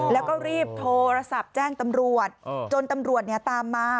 แล้วก็รีบโทรศัพท์แจ้งตำรวจจนตำรวจตามมา